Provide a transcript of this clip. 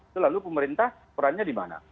terlalu pemerintah perannya di mana